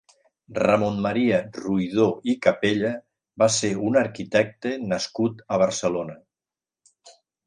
Ramon Maria Riudor i Capella va ser un arquitecte nascut a Barcelona.